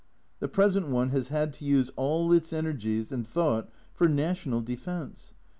The present one has had to use all its energies and thought for national defence.